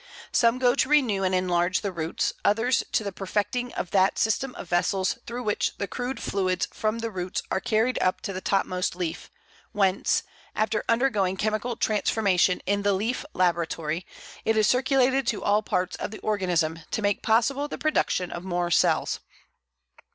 Some go to renew and enlarge the roots, others to the perfecting of that system of vessels through which the crude fluids from the roots are carried up to the topmost leaf, whence, after undergoing chemical transformation in the leaf laboratory, it is circulated to all parts of the organism to make possible the production of more cells.